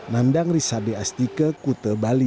nandang risabe astike kute bali